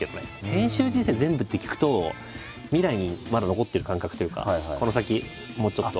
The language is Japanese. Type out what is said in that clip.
編集人生全部って聞くと未来にまだ残ってる感覚というかこの先もうちょっと。